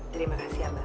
terima kasih abah